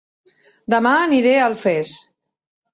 Dema aniré a Alfés